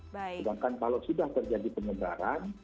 sedangkan kalau sudah terjadi penyebaran